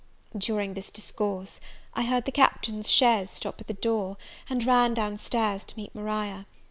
During this discourse, I heard the Captain's chaise stop at the door, and ran downstairs to meet Maria.